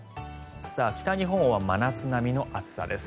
北日本は真夏並みの暑さです。